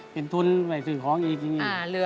เป็นทุนลายซื้อของดีจริง